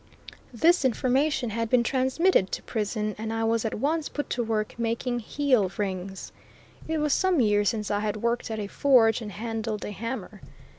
This information had been transmitted to prison and I was at once put to work making heel rings. It was some years since I had worked at a forge and handled a hammer.